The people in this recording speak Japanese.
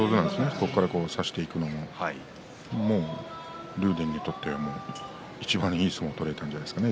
そこから差していくのも竜電にとってはいちばんいい相撲を取ることができたんじゃないですか